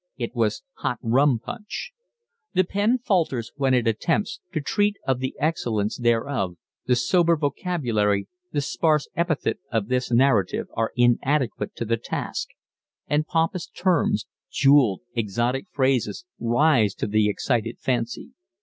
It was hot rum punch. The pen falters when it attempts to treat of the excellence thereof; the sober vocabulary, the sparse epithet of this narrative, are inadequate to the task; and pompous terms, jewelled, exotic phrases rise to the excited fancy.